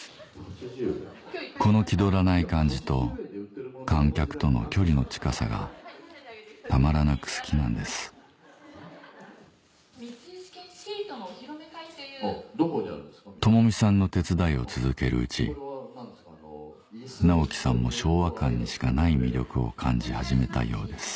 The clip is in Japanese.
この気取らない感じと観客との距離の近さがたまらなく好きなんです智巳さんの手伝いを続けるうち直樹さんも昭和館にしかない魅力を感じ始めたようです